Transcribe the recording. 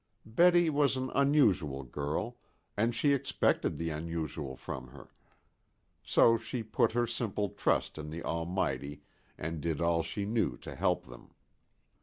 Betty was an unusual girl, and she expected the unusual from her. So she put her simple trust in the Almighty, and did all she knew to help them.